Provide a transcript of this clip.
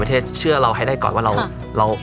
โปรดติดตามต่อไป